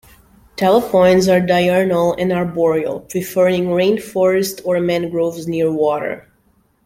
Talapoins are diurnal and arboreal, preferring rain forest or mangroves near water.